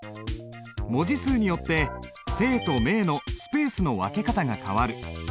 文字数によって姓と名のスペースの分け方が変わる。